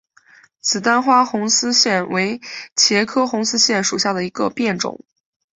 紫单花红丝线为茄科红丝线属下的一个变种。